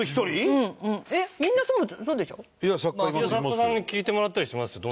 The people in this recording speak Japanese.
作家さんに聞いてもらったりしますよ。